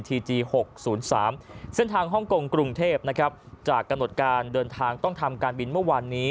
ทีเกียวหกศูนย์สามเส้นทางฮ่องกงกรุงเทพนะครับจากกำหนดการเดินทางต้องทำการบินเมื่อวันนี้